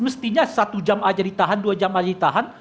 mungkin satu jam saja ditahan dua jam saja ditahan